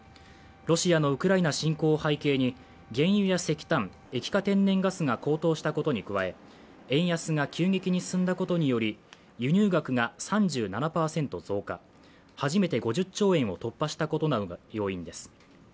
ロシアのウクライナ侵攻を背景に原油や石炭液化天然ガスが高騰したことに加え、円安が急激に進んだことにより輸入額が３７％増加、初めて５０兆円を突破したことなどが要因です。